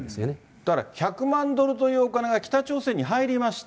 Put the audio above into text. だから１００万ドルというお金が北朝鮮に入りました。